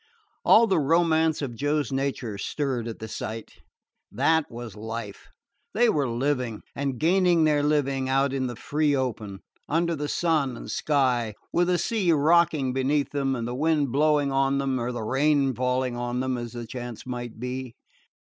All the romance of Joe's nature stirred at the sight. That was life. They were living, and gaining their living, out in the free open, under the sun and sky, with the sea rocking beneath them, and the wind blowing on them, or the rain falling on them, as the chance might be.